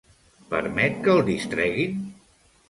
Permet que el distreguin?